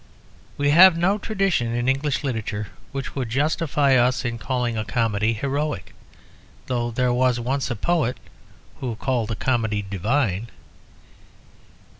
We have no tradition in English literature which would justify us in calling a comedy heroic, though there was once a poet who called a comedy divine.